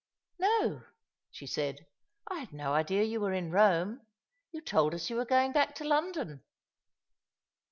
" No," she said. " I had no idea you were in Eome. You told us you were going back to London."